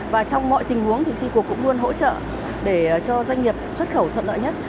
và trong mọi tình huống thì tri cục cũng luôn hỗ trợ để cho doanh nghiệp xuất khẩu thuận lợi nhất